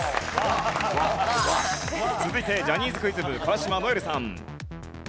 続いてジャニーズクイズ部川島如恵留さん。